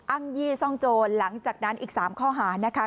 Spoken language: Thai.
ยี่ซ่องโจรหลังจากนั้นอีก๓ข้อหานะคะ